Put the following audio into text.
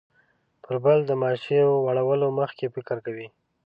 پر بل د ماشې وراړولو مخکې فکر کوي.